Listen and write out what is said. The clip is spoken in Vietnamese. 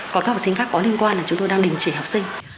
còn các học sinh khác có liên quan là chúng tôi đang đình chỉ học sinh